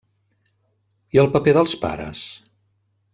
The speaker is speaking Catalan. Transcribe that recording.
I el paper dels pares?